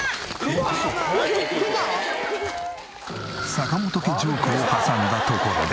坂本家ジョークを挟んだところで。